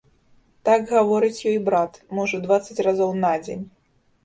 Так гаворыць ёй брат, можа, дваццаць разоў на дзень.